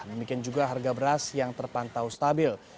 demikian juga harga beras yang terpantau stabil